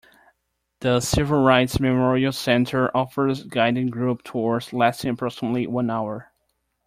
The Civil Rights Memorial Center offers guided group tours lasting approximately one hour.